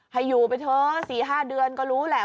ให้อยู่ไปเถอะ๔๕เดือนก็รู้แหละ